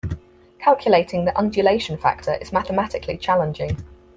Calculating the undulation factor is mathematically challenging.